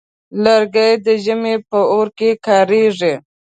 لرګی د ژمي په اور کې کارېږي.